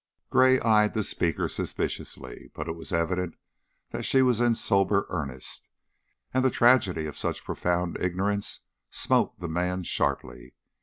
Gray eyed the speaker suspiciously, but it was evident that she was in sober earnest, and the tragedy of such profound ignorance smote the man sharply.